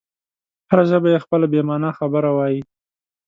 هره ژبه یې خپله بې مانا خبره وایي.